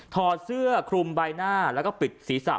อดเสื้อคลุมใบหน้าแล้วก็ปิดศีรษะ